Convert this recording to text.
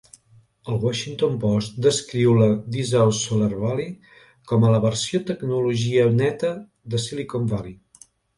El Washington Post descriu la Dezhou's Solar Valley com a "la versió tecnologia neta de Silicon Valley".